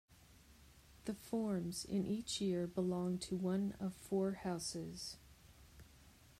The forms in each year belong to one of four houses.